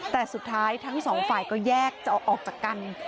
แต่สุดท้ายทั้งสองฝ่ายก็แยกจะออกจากกัน